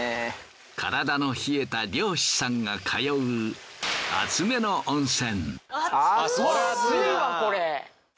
体の冷えた漁師さんが通う熱めの温泉。